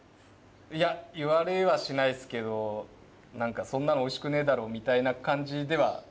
いや言われはしないですけど何かそんなのおいしくねえだろみたいな感じでは。